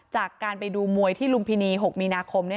จากการไปดูมวยที่ลุมพินี๖มีนาคม